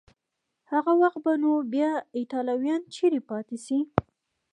هغه وخت به نو بیا ایټالویان چیري پاتې شي؟